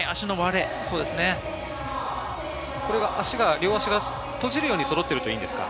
両足が閉じるようにそろってるといいんですか。